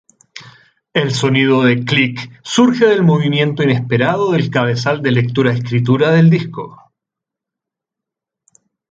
El sonido de clic surge del movimiento inesperado del cabezal de lectura-escritura del disco.